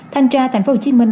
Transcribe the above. thanh tra tp cn